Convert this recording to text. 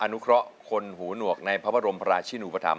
นุเคราะห์คนหูหนวกในพระบรมราชินูปธรรม